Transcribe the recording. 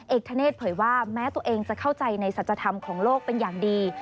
ธเนธเผยว่าแม้ตัวเองจะเข้าใจในสัจธรรมของโลกเป็นอย่างดี